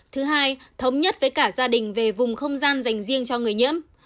thứ hai thống nhất với cả gia đình về vùng không gian dành riêng cho người nhiễm